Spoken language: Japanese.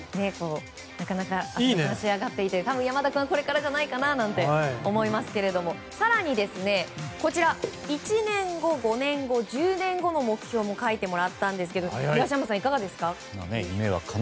なかなか浅野君は仕上がっていて多分、山田君はこれからじゃないかなと思いますが更に、１年後５年後、１０年後の目標も書いてもらったんですけど東山さん、いかがですか？